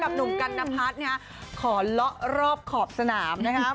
หนุ่มกันนพัฒน์ขอเลาะรอบขอบสนามนะครับ